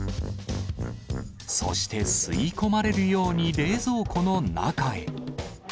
そして吸い込まれるように冷蔵庫の中へ。